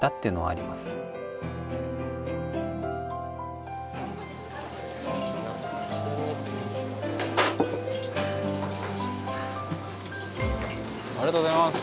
ありがとうございます。